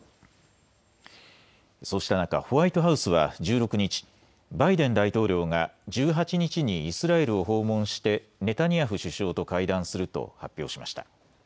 そうした中、ホワイトハウスは１６日、バイデン大統領が１８日にイスラエルを訪問してネタニヤフ首相と会談すると発表しました。